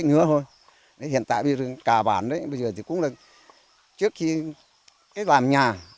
các cái bách nước thôi hiện tại bây giờ cả bản đấy bây giờ thì cũng là trước khi cái làm nhà